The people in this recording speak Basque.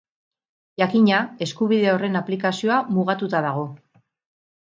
Jakina, eskubide horren aplikazioa mugatuta dago.